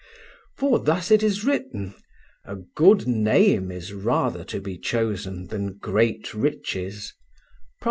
For thus is it written: "A good name is rather to be chosen than great riches" (Prov.